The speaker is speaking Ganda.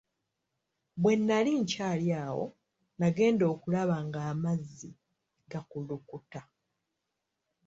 Bwe nnali nkyali awo nagenda okulaba nga amazzi gakulukuta.